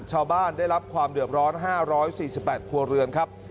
ชาวบ้านได้รับความเดิมร้อนห้าร้อยสี่สิบแปดครัวเรือนครับ